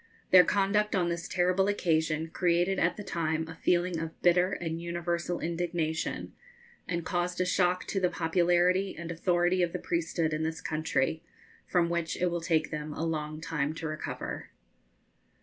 Their conduct on this terrible occasion created at the time a feeling of bitter and universal indignation, and caused a shock to the popularity and authority of the priesthood in this country, from which it will take them a long time to recover.